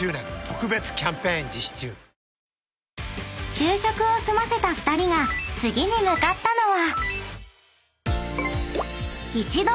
［昼食を済ませた２人が次に向かったのは］